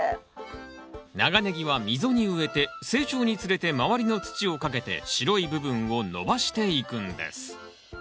長ネギは溝に植えて成長につれて周りの土をかけて白い部分を伸ばしていくんです。